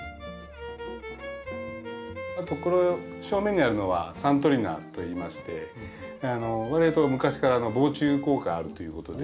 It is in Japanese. あとこの正面にあるのはサントリナといいましてわりあいと昔から防虫効果があるということで。